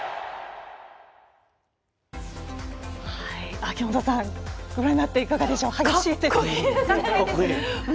秋元さん、ご覧になっていかがでしょう。